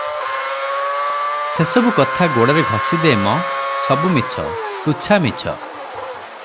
ସେ ସବୁ କଥା ଗୋଡ଼ରେ ଘଷି ଦେ ମ, ସବୁ ମିଛ, ତୁଚ୍ଛା ମିଛ ।